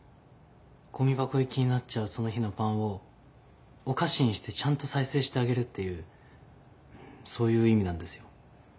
ごみ箱行きになっちゃうその日のパンをお菓子にしてちゃんと再生してあげるっていうそういう意味なんですよ。